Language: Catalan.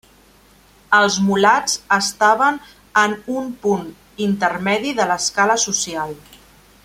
Els mulats estaven en un punt intermedi de l'escala social.